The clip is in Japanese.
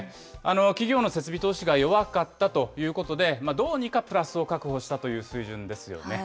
企業の設備投資が弱かったということで、どうにかプラスを確保したという水準ですよね。